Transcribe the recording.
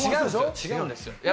違うんですよ。